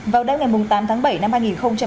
vào đáng ngày tám tháng bảy năm hai nghìn hai mươi ba